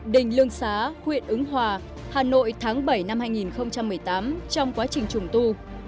đình lương xá huyện ứng hòa hà nội tháng bảy năm hai nghìn một mươi tám trong quá trình trùng tu